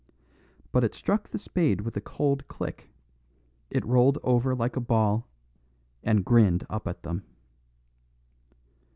But it struck the spade with a cold click; it rolled over like a ball, and grinned up at them.